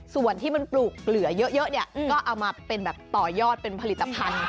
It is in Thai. ส่วนที่มันปลูกเกลือเยอะเนี่ยก็เอามาเป็นแบบต่อยอดเป็นผลิตภัณฑ์